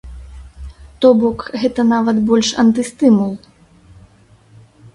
То бок, гэта нават больш антыстымул.